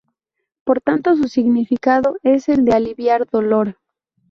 Por tanto su significado es el de aliviar dolor.